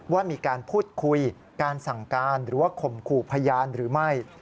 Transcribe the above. ว่ามีการพูดคุยการสั่งการหรือว่าข่มขู่พยานหรือไม่